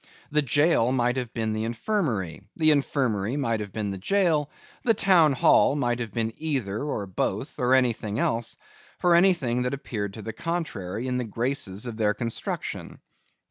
The jail might have been the infirmary, the infirmary might have been the jail, the town hall might have been either, or both, or anything else, for anything that appeared to the contrary in the graces of their construction.